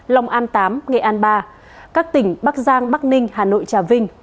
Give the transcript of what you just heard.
long an tám nghệ an ba các tỉnh bắc giang bắc ninh hà nội trà vinh